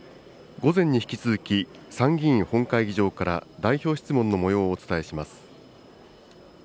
午前に引き続き、参議院本会議場から代表質問のもようをお伝えします。